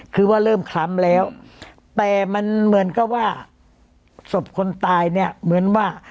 คือว่าเริ่มคล้ำแล้วแต่มันเหมือนกับว่าศพคนตายเนี่ยเหมือนว่า